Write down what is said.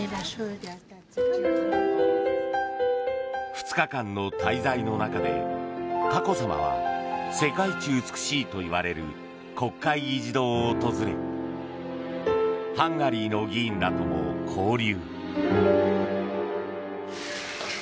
２日間の滞在の中で佳子さまは世界一美しいといわれる国会議事堂を訪れハンガリーの議員らとも交流。